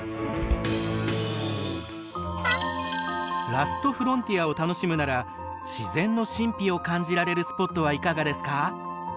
ラストフロンティアを楽しむなら自然の神秘を感じられるスポットはいかがですか？